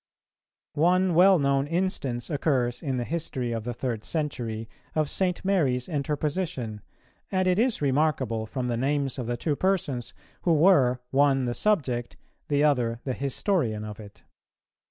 One well known instance occurs in the history of the third century of St. Mary's interposition, and it is remarkable from the names of the two persons, who were, one the subject, the other the historian of it.